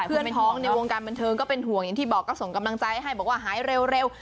เพื่อนพ้องในวงการบันเทิงก็เป็นห่วงอย่างที่บอกก็ส่งกำลังใจให้บอกว่าหายเร็ว